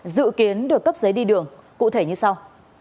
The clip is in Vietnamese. dự kiến được cấp giấy đi đường cụ thể như sau